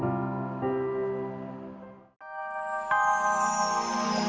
gak ada yang bisa dihukum